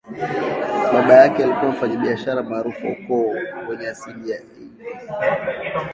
Baba yake alikuwa mfanyabiashara maarufu wa ukoo wenye asili ya Eire.